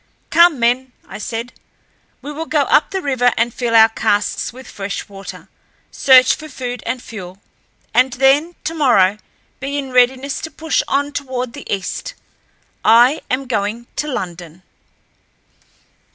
"Come, men!" I said. "We will go up the river and fill our casks with fresh water, search for food and fuel, and then tomorrow be in readiness to push on toward the east. I am going to London."